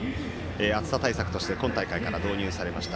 暑さ対策として今大会から導入されました。